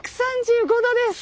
１３５度です！